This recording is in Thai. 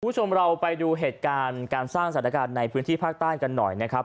คุณผู้ชมเราไปดูเหตุการณ์การสร้างสถานการณ์ในพื้นที่ภาคใต้กันหน่อยนะครับ